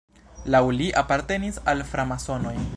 Laŭ li apartenis al framasonoj.